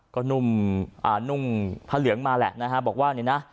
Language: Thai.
ก็นุ่มพระเหลืองมาแหละนะฮะบอกว่าเนี่ยนะ